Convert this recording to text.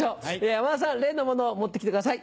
山田さん例のものを持って来てください。